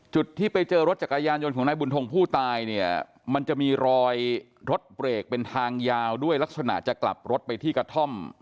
ที่ไปเจอรถจักรยานยนต์ของนายบุญทงผู้ตายเนี่ยมันจะมีรอยรถเบรกเป็นทางยาวด้วยลักษณะจะกลับรถไปที่กระท่อม